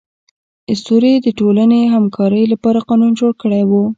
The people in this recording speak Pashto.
اسطورې د ټولنې همکارۍ لپاره قانون جوړ کړی و.